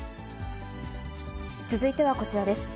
続いてはこちらです。